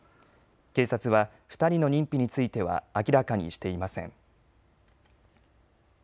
警察は２人の認否については明らかにしていません。